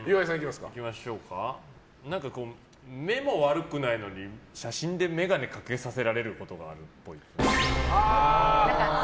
目も悪くないのに写真で眼鏡かけさせられることがあるっぽい。